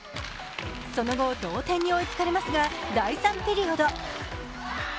その後、同点に追いつかれますが第３ピリオド。